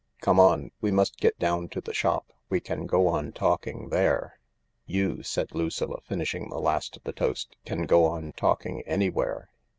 Come 170 THE LARK on— we must get down to the shop. We can go on talking there." " You," said Lucilla, finishing the last of the toast, " can go on talking anywhere."